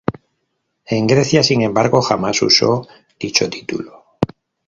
En Grecia, sin embargo, jamás usó dicho título.